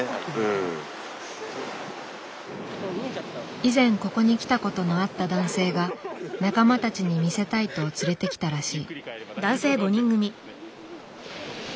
以前ここに来たことのあった男性が仲間たちに見せたいと連れてきたらしい。